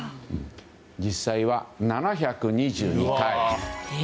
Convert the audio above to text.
実際は７２２回。